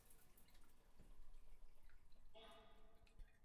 卡曼加尔即造弓或造武器的人。